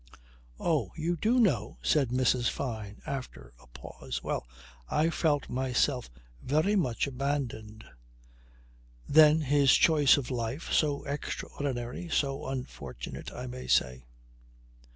"Oh! You do know," said Mrs. Fyne after a pause. "Well I felt myself very much abandoned. Then his choice of life so extraordinary, so unfortunate, I may say.